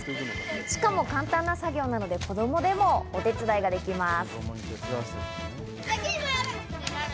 しかも簡単な作業なので、子供でもお手伝いができます。